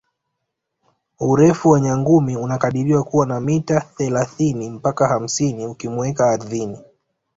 Urefu wa nyangumi unakadiriwa kuwa wa mita thelathini mpaka hamsini ukimuweka ardhini